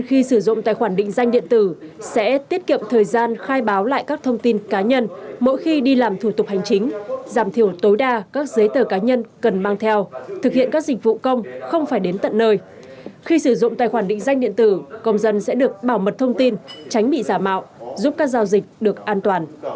khi sử dụng tài khoản định danh điện tử công dân sẽ được bảo mật thông tin tránh bị giả mạo giúp các giao dịch được an toàn